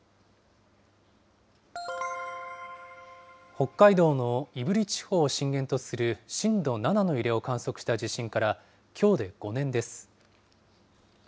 北海道の胆振地方を震源とする震度７の揺れを観測した地震からきょうで５年です。